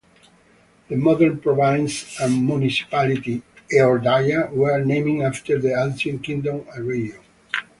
The modern province and municipality Eordaia were named after the ancient kingdom and region.